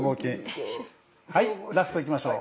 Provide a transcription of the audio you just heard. はいラストいきましょう。